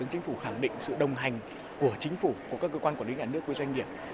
chính phủ khẳng định sự đồng hành của chính phủ của các cơ quan quản lý nhà nước với doanh nghiệp